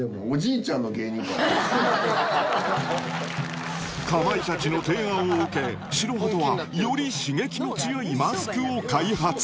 おじいちゃんの芸人か、かまいたちの提案を受け、白鳩は、より刺激の強いマスクを開発。